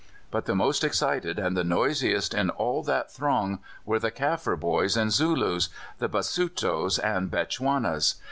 But the most excited and the noisiest in all that throng were the Kaffir boys and Zulus, the Basutos and Bechuanas.